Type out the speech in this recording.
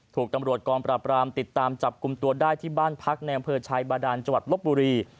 ถูกตำรวจกองปราบรามติดตามจับกลุ่มตัวได้ที่บ้านพักในอำเภอชายบาดานจังหวัดลบบุรี